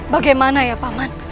bagaimana ya paman